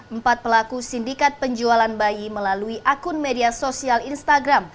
empat pelaku sindikat penjualan bayi melalui akun media sosial instagram